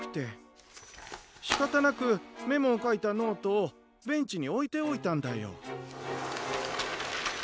しかたなくメモをかいたノートをベンチにおいておいたんだよ。